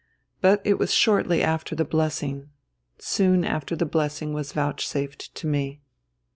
But it was shortly after the blessing soon after the blessing was vouchsafed to me."